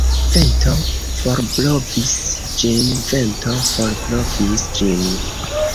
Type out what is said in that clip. Vento forblovis ĝin, Vento forblovis ĝin.